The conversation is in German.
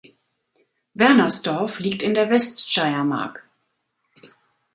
Wernersdorf liegt in der Weststeiermark.